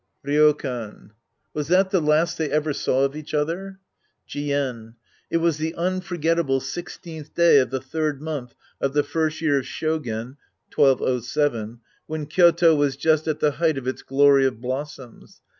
Ryokan. Was that the last they ever saw of each other ? Jien. It was the unforgettable sixteenth day of the third month of the first year of Shogen , when Ky5to was just at the height of its glory of blossoms.